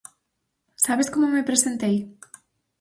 Sabes como me presentei?